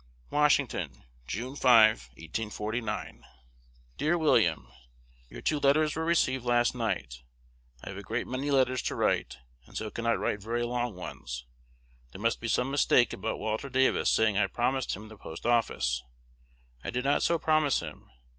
Washington, June 5, 1849. Dear William, Your two letters were received last night. I have a great many letters to write, and so cannot write very long ones. There must be some mistake about Walter Davis saying I promised him the Post office. I did not so promise him.